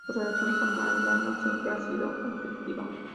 Su relación con Mariano siempre ha sido conflictiva.